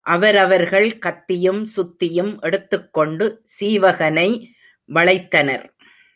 அவரவர்கள் கத்தியும் சுத்தியும் எடுத்துக்கொண்டு சீவகனை வளைத்தனர்.